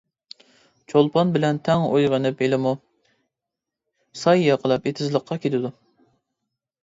چولپان بىلەن تەڭ ئويغىنىپ ھېلىمۇ، ساي ياقىلاپ ئېتىزلىققا كېتىدۇ.